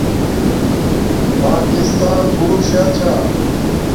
پاکستان بوت شاہ چھا